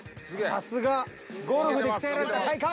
さすがゴルフで鍛えられた体幹。